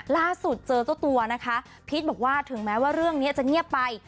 ล่าสุดเจอเจ้าตัวนะคะพีชบอกว่าถึงแม้ว่าเรื่องนี้จะเงียบไป